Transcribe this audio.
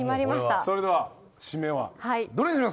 それでは締めはどれにしますか？